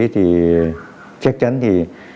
thì chắc chắn thì